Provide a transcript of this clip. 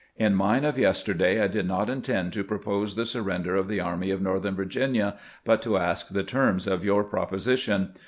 In mine of yesterday I did not intend to propose the surrender of the Army of Northern Virginia, but to ask the terms of your proposition.